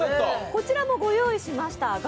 こちらもご用意しました。